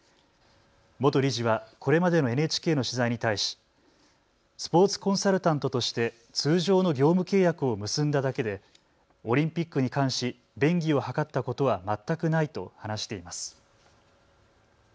元理事はこれまでのＮＨＫの取材に対しスポーツコンサルタントとして通常の業務契約を結んだだけでオリンピックに関し便宜を図ったことは全くないと話しています。